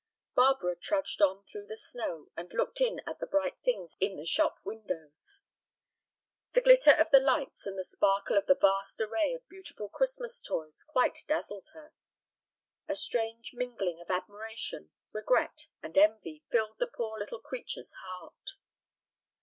Barbara trudged on through the snow and looked in at the bright things in the shop windows. The glitter of the lights and the sparkle of the vast array of beautiful Christmas toys quite dazzled her. A strange mingling of admiration, regret, and envy filled the poor little creature's heart.